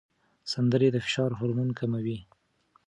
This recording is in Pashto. سندرې د فشار هورمون کموي.